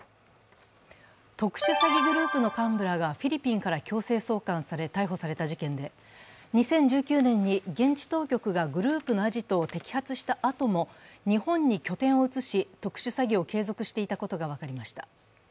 特殊詐欺グループの幹部らがフィリピンから強制送還され逮捕された事件で２０１９年に現地当局がグループのアジトを摘発したあとも日本に拠点を移し、特殊詐欺を継続していたことが分かりました。